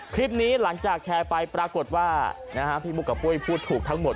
คลิปนี้หลังจากแชร์ไปปรากฏว่าพี่บุ๊คกับปุ้ยพูดถูกทั้งหมด